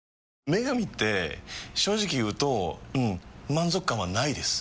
「麺神」って正直言うとうん満足感はないです。